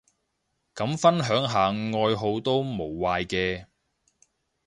咁分享下愛好都無壞嘅